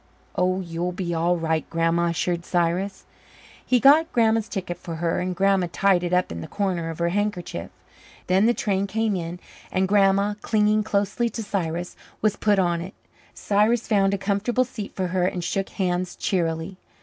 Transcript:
"Oh, you'll be all right, Grandma," assured Cyrus. He got Grandma's ticket for her and Grandma tied it up in the corner of her handkerchief. Then the train came in and Grandma, clinging closely to Cyrus, was put on it. Cyrus found a comfortable seat for her and shook hands cheerily.